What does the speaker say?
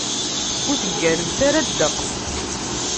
Ur tegganemt ara ddeqs.